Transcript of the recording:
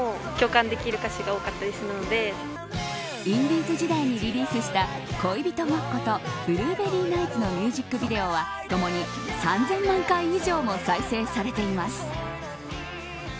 インディーズ時代にリリースした恋人ごっことブルーベリー・ナイツのミュージックビデオはともに３０００万回以上も再生されています。